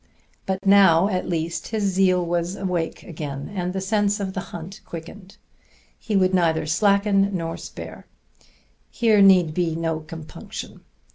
But now at least his zeal was awake again, and the sense of the hunt quickened. He would neither slacken nor spare; here need be no compunction.